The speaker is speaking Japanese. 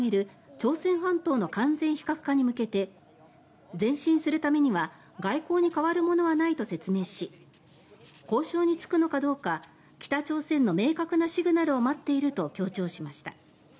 朝鮮半島の完全非核化に向けて前進するためには外交に代わるものはないと説明し交渉につくのかどうか北朝鮮の明確なシグナルを待っていると強調しました。